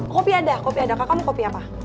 kopi ada kopi ada kakak mau kopi apa